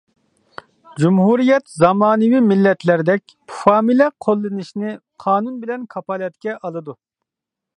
جۇمھۇرىيەت زامانىۋى مىللەتلەردەك فامىلە قوللىنىشنى قانۇن بىلەن كاپالەتكە ئالىدۇ.